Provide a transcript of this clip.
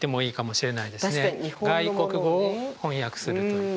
外国語を翻訳するという。